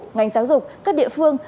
ngành giáo dục các địa phương